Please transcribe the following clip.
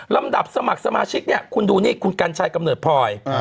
ลำดับสมัครสมาชิกเนี่ยคุณดูนี่คุณกัญชัยกำเนิดพลอย